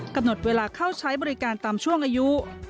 กำหนดเวลาเข้าใช้บริการตามช่วงอายุ